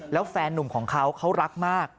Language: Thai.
แล้วแฟนนุ่มของเขาเขารักมาก